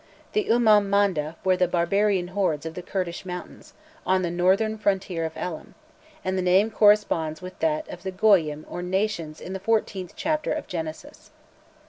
The Umman Manda were the "Barbarian Hordes" of the Kurdish mountains, on the northern frontier of Elam, and the name corresponds with that of the Goyyim or "nations" in the fourteenth chapter of Genesis.